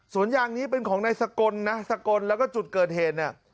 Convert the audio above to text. ยางนี้เป็นของนายสกลนะสกลแล้วก็จุดเกิดเหตุเนี่ย